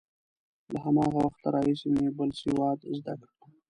له هماغه وخته راهیسې مې بل سواد زده کړ.